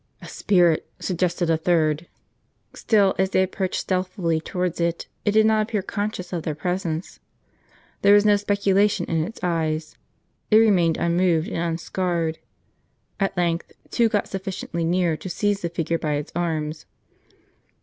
" A si^irit," suggested a third. Still, as they approached stealthily towards it, it did not appear conscious of their presence :" there was no speculation in its eyes ;" it remained unmoved and unscared. At length, two got sufficiently near to seize the figure by its arms.